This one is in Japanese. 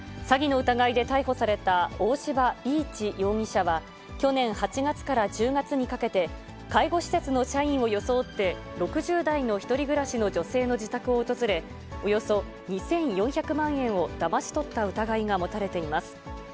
詐欺の疑いで逮捕された大柴飛一容疑者は、去年８月から１０月にかけて、介護施設の社員を装って６０代の１人暮らしの女性の自宅を訪れ、およそ２４００万円をだまし取った疑いが持たれています。